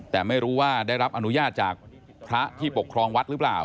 แต่ไม่รู้ว่าได้รับอนุญาตจากพระที่ปกครองวัดหรือเปล่า